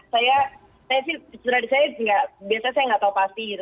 saya sih curah di saya biasanya saya nggak tahu pasti gitu